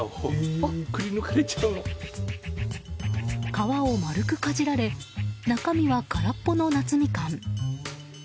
皮を丸くかじられ中身は空っぽの夏みかん。